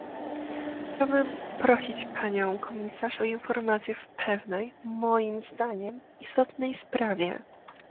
Chciałbym prosić panią komisarz o informację w pewnej - moim zdaniem - istotnej sprawie